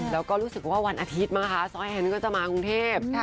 แล้วก็รู้สึกว่าวันอาทิตย์มั้งคะซอยแฮนด์ก็จะมากรุงเทพ